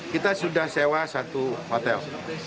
kita sudah sewa satu hotel